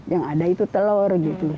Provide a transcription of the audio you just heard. yang ada itu telur gitu